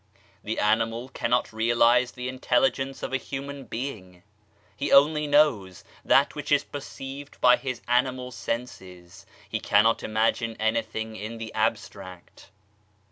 The animal cannot realise the intelligence of a human being, he only knows that which is perceived by his animal senses, he cannot imagine anything in the abstract.